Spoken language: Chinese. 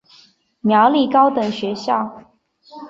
苗栗高等学校